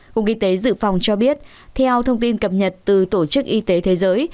cục y tế dự phòng cho biết theo thông tin cập nhật từ tổ chức y tế thế giới